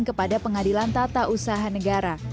kepada pengadilan tata usaha negara